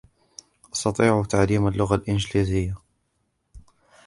أستطيع تعليم اللغة الإنجليزية.